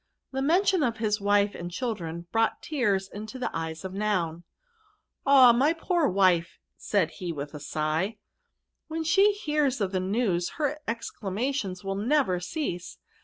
The mention of his wile and children brought tears into the eyes of Noun. ' Ah t my poor wife,^ said he with a sigh, ' when she hears this news her exclamations wiU never oease.